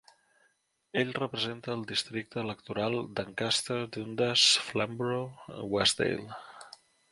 Ell representa el districte electoral d'Ancaster-Dundas- Flamborough-Westdale.